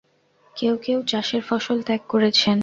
কেউ-কেউ, চাষের ফসল ত্যাগ করেছেন।